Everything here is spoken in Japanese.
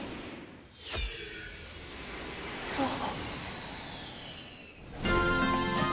あっ。